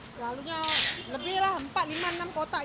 selalunya lebih lah empat lima enam kotak gitu kadang sepuluh kotak